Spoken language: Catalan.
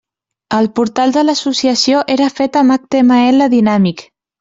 El portal de l'Associació era fet amb HTML dinàmic.